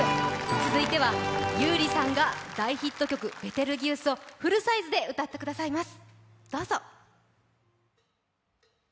続いては優里さんが大ヒット曲「ベテルギウス」をフルサイズで歌ってくださいます。